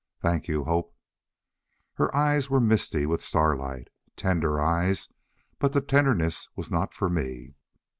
"Thank you, Hope." Her eyes were misty with starlight. Tender eyes, but the tenderness was not for me.